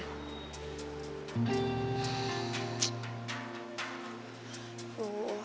pokoknya papi udah selalu kena